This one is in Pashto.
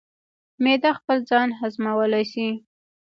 معده خپل ځان هضمولی شي.